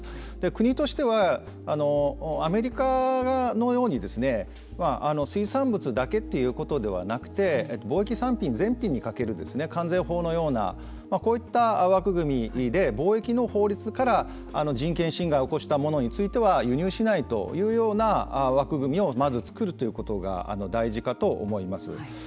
国としてはアメリカのように水産物だけということではなくて貿易産品全品にかける関税法のようなこういった枠組みで貿易の法律から人権侵害を起こしたものについて輸入しないというような枠組みをまず作るということが大事かと思います。